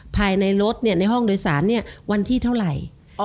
ภายในรถในห้องโดยสารวันที่เท่าไหร่